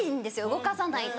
動かさないと。